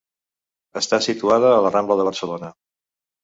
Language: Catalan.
Està situada a la Rambla de Barcelona.